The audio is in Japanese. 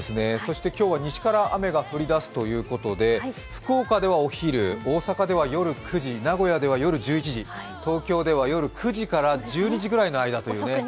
今日は西から雨が降りだすということで福岡ではお昼、大阪では夜９時、名古屋では夜１１時、東京では夜９時から１２時ぐらいの間に。